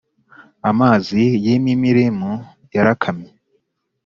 Amazi y’i Mimirimu yarakamye,